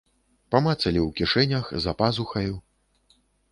Памацалі ў кішэнях, за пазухаю.